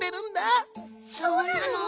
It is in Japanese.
そうなの？